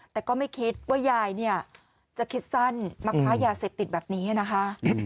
แต่ก็ไม่คิดว่ายายเนี่ยจะคิดสั้นมาค้ายาเสพติดแบบนี้นะคะ